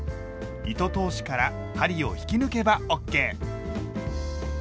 糸通しから針を引き抜けばＯＫ。